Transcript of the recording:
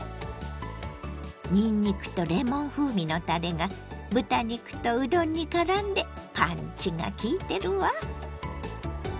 にんにくとレモン風味のたれが豚肉とうどんにからんでパンチがきいてるわ！